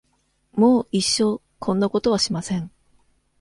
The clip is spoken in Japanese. もう一生こんなことはしません。